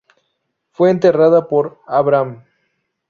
Fue enterrada por Abraham.